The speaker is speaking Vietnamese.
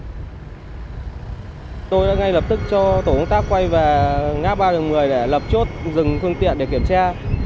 hãy lập tức cho tổ công tác quay vào ngã ba đường một mươi để lập chốt dừng phương tiện để kiểm tra